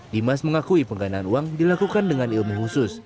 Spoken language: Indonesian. dimas mengakui penggandaan uang dilakukan dengan ilmu khusus